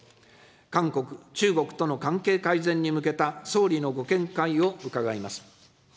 韓国、中国との関係改善に向けた総理のご見解を伺います。